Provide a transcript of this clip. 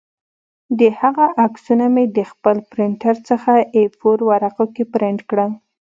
د هغه عکسونه مې د خپل پرنټر څخه اې فور ورقو کې پرنټ کړل